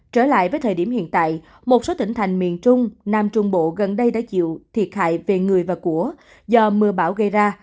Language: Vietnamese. trở lại với thời điểm hiện tại một số tỉnh thành miền trung nam trung bộ gần đây đã chịu thiệt hại về người và của do mưa bão gây ra